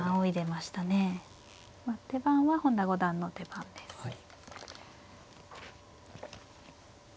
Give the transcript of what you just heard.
まあ手番は本田五段の手番ですね。